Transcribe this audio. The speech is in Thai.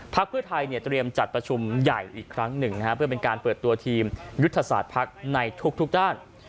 เพื่อไทยเตรียมจัดประชุมใหญ่อีกครั้งหนึ่งเพื่อเป็นการเปิดตัวทีมยุทธศาสตร์ภักดิ์ในทุกด้าน